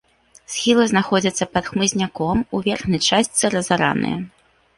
Схілы знаходзяцца пад хмызняком, у верхняй частцы разараныя.